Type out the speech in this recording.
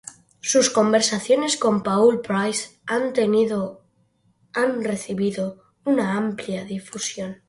Sus conversaciones con Paul Price han recibido una amplia difusión.